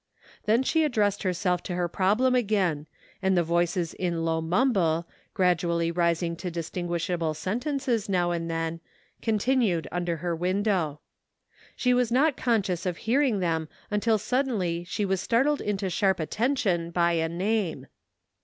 Then she addressed herself to her problem again, and the voices in low mumble, gradually rising to distinguishable sentences now and then, continued under her window. She was not conscious of hearing them until sud denly she was startled into sharp attention by a name.